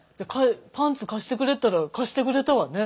パンツ貸してくれったら貸してくれたわね。